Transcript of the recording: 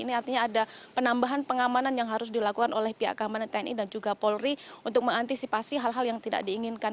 ini artinya ada penambahan pengamanan yang harus dilakukan oleh pihak keamanan tni dan juga polri untuk mengantisipasi hal hal yang tidak diinginkan